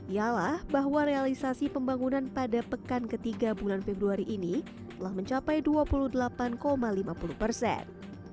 ialah bahwa realisasi pembangunan pada pekan ketiga bulan februari ini telah mencapai dua puluh delapan lima puluh persen